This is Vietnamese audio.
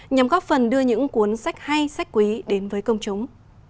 nhằm góp phần đưa những cuốn sách hay sách quý đến với công chúng